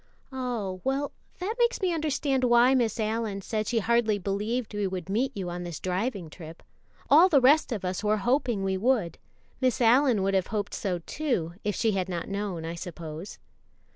"Oh, well, that makes me understand why Miss Allyn said she hardly believed we would meet you on this driving trip. All the rest of us were hoping we would. Miss Allyn would have hoped so, too, if she had not known, I suppose."